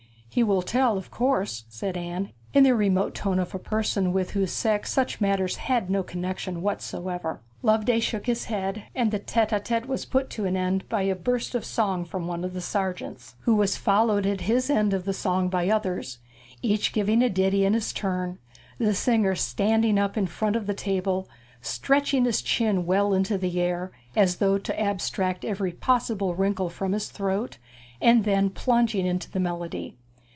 'He will tell, of course?' said Anne, in the remote tone of a person with whose sex such matters had no connexion whatever. Loveday shook his head, and the tete a tete was put an end to by a burst of singing from one of the sergeants, who was followed at the end of his song by others, each giving a ditty in his turn; the singer standing up in front of the table, stretching his chin well into the air, as though to abstract every possible wrinkle from his throat, and then plunging into the melody.